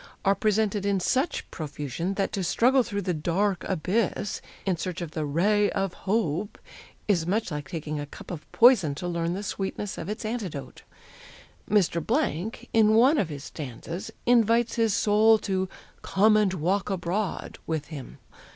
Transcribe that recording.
are presented in such profusion that to struggle through the 'dark abyss' in search of the 'ray of hope' is much like taking a cup of poison to learn the sweetness of its antidote. Mr. in one of his stanzas invites his soul to 'come and walk abroad' with him.